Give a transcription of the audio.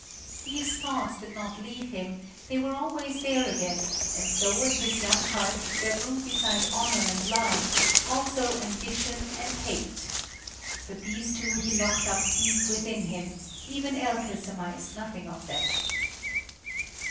These thoughts did not leave him; they were always there again, and so in his young heart there grew beside honor and love, also ambition and hate. But these two he locked up deep within him; even Elke surmised nothing of them.